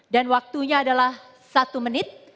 waktunya adalah satu menit